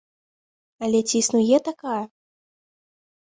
Але ці існуе такая?